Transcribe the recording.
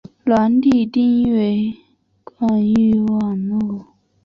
软体定义广域网路。